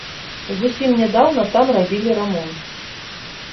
Зусім нядаўна там рабілі рамонт.